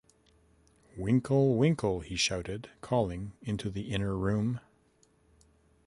‘Winkle — Winkle!’ he shouted, calling into the inner room.